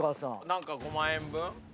何か５万円分？